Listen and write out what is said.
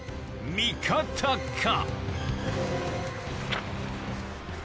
味方か？